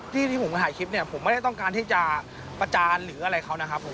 ที่ผมจะถ่ายคลิปผมไม่ได้ต้องการที่จะประจานหรืออะไรเขานะครับ